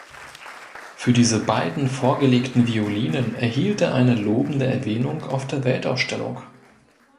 Für diese beiden vorgelegten Violinen erhielt er eine lobende Erwähnung auf der Weltausstellung.